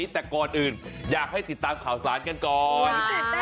แต่ก่อนอื่นอยากให้ติดตามข่าวสารกันก่อน